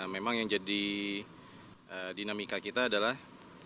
memang yang jadi dinamika kita adalah